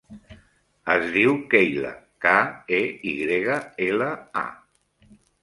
Es diu Keyla: ca, e, i grega, ela, a.